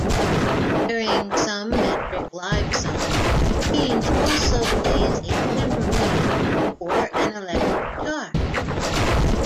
During some Metric live songs, Haines also plays a tambourine or an electric guitar.